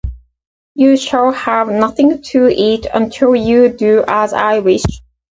You shall have nothing to eat until you do as I wish.